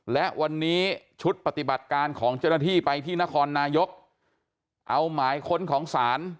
และวันนี้ชุดปฏิบัติการของเจ้าหน้าที่ไปที่นครนายกเอาหมายค้นของศาล